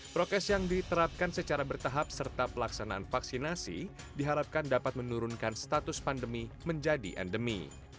prokes yang diterapkan secara bertahap serta pelaksanaan vaksinasi diharapkan dapat menurunkan status pandemi menjadi endemi